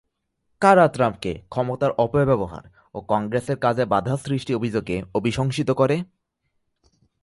কারা ট্রাম্পকে ক্ষমতার অপব্যবহার ও কংগ্রেসের কাজে বাধা সৃষ্টির অভিযোগে অভিশংসিত করে?